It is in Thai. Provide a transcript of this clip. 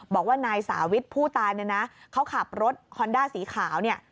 บอกว่านายสาวิทผู้ตายเนี่ยนะเขาขับรถฮอนด้าสีขาวเนี่ย